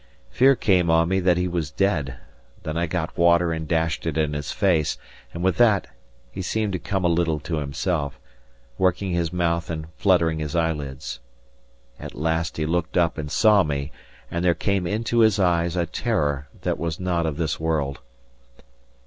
Fear came on me that he was dead; then I got water and dashed it in his face; and with that he seemed to come a little to himself, working his mouth and fluttering his eyelids. At last he looked up and saw me, and there came into his eyes a terror that was not of this world.